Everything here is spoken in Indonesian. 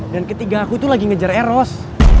dan ketiga aku tuh lagi ngejar eros